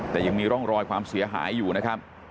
แต่ยังมีร่องรอยความเสียหายอยู่นะครับ